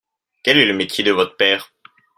Quelle est le métier de votre père ?